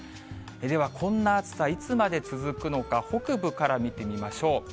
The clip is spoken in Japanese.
では、こんな暑さ、いつまで続くのか、北部から見てみましょう。